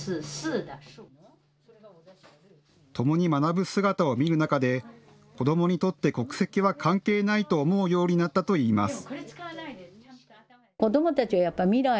共に学ぶ姿を見る中で子どもにとって国籍は関係ないと思うようになったといいます。